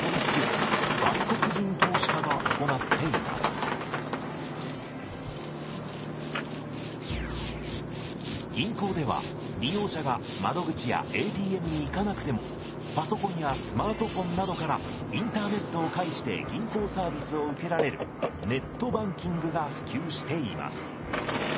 なお銀行では利用者が窓口やＡＴＭに行かなくてもパソコンやスマートフォンなどからインターネットを介して銀行サービスを受けられるネットバンキングが普及しています。